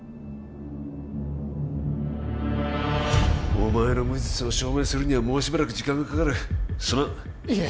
お前の無実を証明するにはもうしばらく時間がかかるすまんいえ